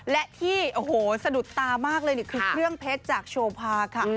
และที่โอ้โหสะดุดตามากเลยนี่คือเครื่องเพชรจากโชภาค่ะ